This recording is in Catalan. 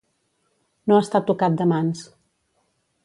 No estar tocat de mans.